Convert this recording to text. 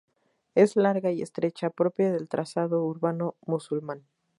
Es larga y estrecha, propia del trazado urbano musulmán.